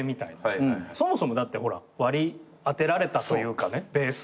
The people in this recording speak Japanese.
そもそもだってほら割り当てられたというかねベース。